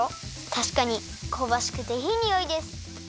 たしかにこうばしくていいにおいです！